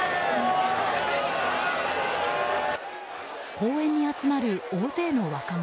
公園に集まる大勢の若者。